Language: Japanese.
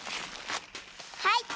はい！